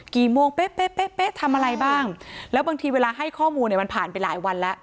กี่โมงเป๊ะทำอะไรบ้างแล้วบางทีเวลาให้ข้อมูลเนี่ยมันผ่านไปหลายวันแล้ว